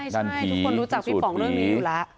ใช่ทุกคนรู้จักพี่ป๋องเรื่องนี้อยู่แล้ว